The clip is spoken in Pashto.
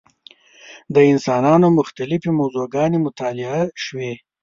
د انسانانو مختلفې موضوع ګانې مطالعه شوې.